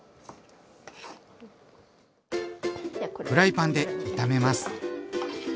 フライパンで炒めます。